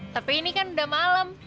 tapi ini kan udah malam